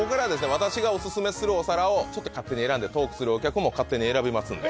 私がオススメするお皿を勝手に選んでトークするお客も勝手に選びますんで。